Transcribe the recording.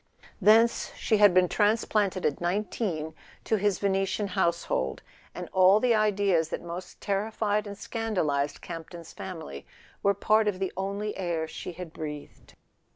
Thence she had been transplanted at nineteen to his Venetian house¬ hold, and all the ideas that most terrified and scandal¬ ized Campton's family were part of the only air she had breathed.